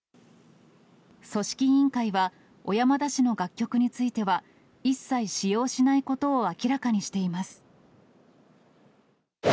組織委員会は、小山田氏の楽曲については一切使用しないを明らかにしています。